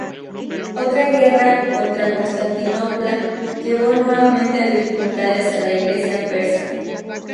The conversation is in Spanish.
Otra guerra contra Constantinopla llevó nuevamente a dificultades a la Iglesia persa.